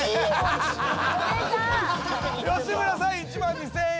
吉村さん１万２，０００円。